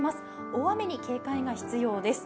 大雨に警戒が必要です。